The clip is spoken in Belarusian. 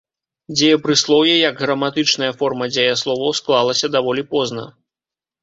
Дзеепрыслоўе як граматычная форма дзеясловаў склалася даволі позна.